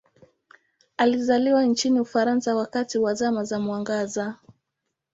Alizaliwa nchini Ufaransa wakati wa Zama za Mwangaza.